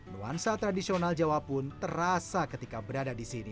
nuansa tradisional jawa pun terasa ketika berada disini